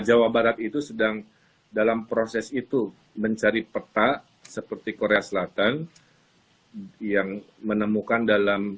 jawa barat itu sedang dalam proses itu mencari peta seperti korea selatan yang menemukan dalam